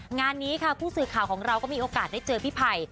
งานนี้ค่ะผู้สื่อข่าวของเราก็มีโอกาสได้เจอพี่ไผ่